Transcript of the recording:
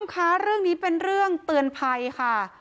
คุณผู้ชมคะเรื่องนี้เป็นเรื่องเตือนภัยค่ะ